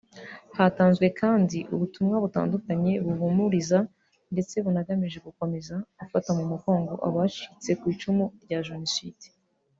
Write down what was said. Hatanzwe kandi ubutumwa butandukanye buhumuriza ndetse bunagamije gukomeza gufata mu mugongo abacitse rya ku icumu rya Jenoside